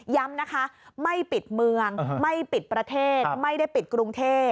ย้ำนะคะไม่ปิดเมืองไม่ปิดประเทศไม่ได้ปิดกรุงเทพ